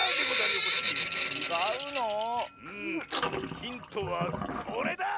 ヒントはこれだ！